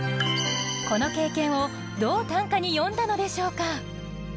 この経験をどう短歌に詠んだのでしょうか？